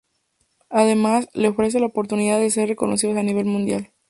Además, les ofrece la oportunidad de ser reconocidos a nivel mundial.